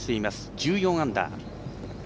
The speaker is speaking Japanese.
１４アンダー。